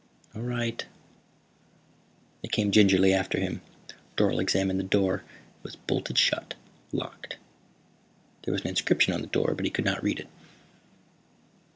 "All right." They came gingerly after him. Dorle examined the door. It was bolted shut, locked. There was an inscription on the door but he could not read it.